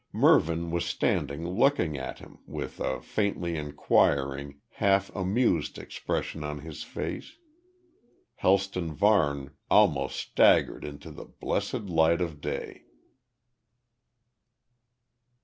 Mervyn was standing looking at him with a faintly enquiring, half amused expression on his face, Helston Varne almost staggered into the blessed light of day.